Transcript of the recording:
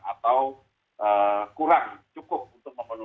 atau kurang cukup untuk memenuhi